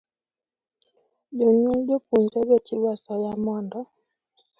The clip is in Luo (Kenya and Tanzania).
Jonyuol jopuonjrego chiwo asoya mondo